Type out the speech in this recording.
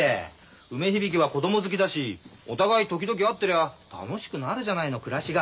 梅響は子供好きだしお互い時々会ってりゃ楽しくなるじゃないの暮らしが。